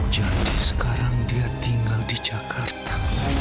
jadi sekarang dia tinggal di jakarta